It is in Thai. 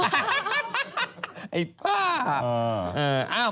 ไอ้ป๊า